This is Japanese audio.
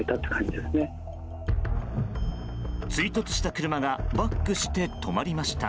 追突した車がバックして止まりました。